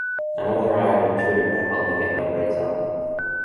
My mother hired a tutor to help get my grades up.